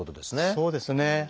そうですね。